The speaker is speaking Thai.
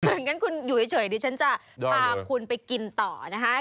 อย่างนั้นคุณอยู่เฉยดิฉันจะพาคุณไปกินต่อนะฮะ